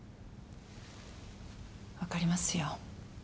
分かりますよ。